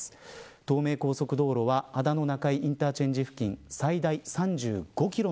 東名高速道路は秦野中井インターチェンジ付近最大３５キロの